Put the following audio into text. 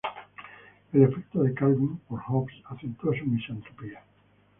El afecto de Calvin por Hobbes acentúa su misantropía.